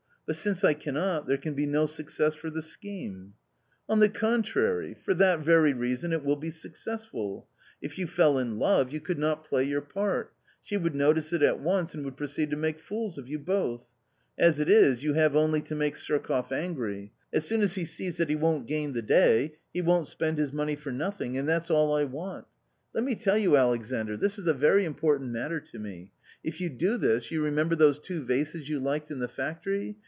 ... but since I cannot there can be no success for the scheme." " On the contrary, for that very reason it will be success ful. If you fell in love, you could not play your part ; she would notice it at once and would proceed to make fools of you both. As it is, you have only to make Surkoff angry ; as soon as he sees that he won't gain the day, he won't spend his money for nothing, and that's all I want. Let me tell you, Alexandr, this is a very important matter to me ; if you do this, you remember those two vases you liked in the factory